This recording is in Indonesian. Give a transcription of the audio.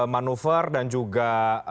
manuver dan juga